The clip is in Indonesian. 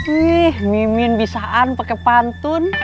wih mimin bisaan pakai pantun